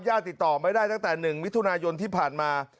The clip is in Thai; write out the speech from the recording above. ติดต่อไม่ได้ตั้งแต่๑มิถุนายนที่ผ่านมา